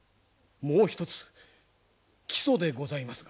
もう一つ木曽でございますが。